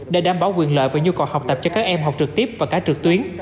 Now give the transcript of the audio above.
để đảm bảo quyền lợi và nhu cầu học tập cho các em học trực tiếp và cả trực tuyến